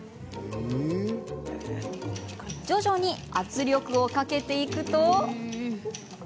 徐々に圧力をかけていくと。